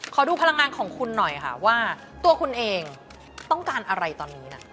ขอดูพลังงานของคุณหน่อยค่ะว่าตัวคุณเองต้องการอะไรตอนนี้นะ